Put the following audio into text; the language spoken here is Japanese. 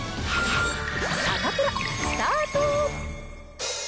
サタプラ、スタート。